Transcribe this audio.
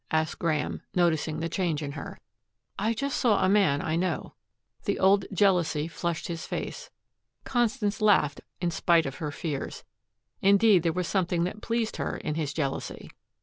asked Graeme, noticing the change in her. "I just saw a man I know." The old jealousy flushed his face. Constance laughed in spite of her fears. Indeed, there was something that pleased her in his jealousy.